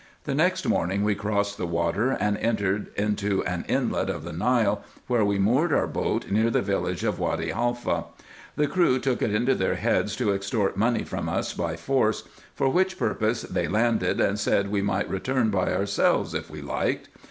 The next morning we crossed the water, and entered into an inlet of the Nile, where we moored our boat near the village of Wady Haifa. The crew took it into their heads to extort money from us by force, for which purpose they landed, and said we might return by ourselves if we liked.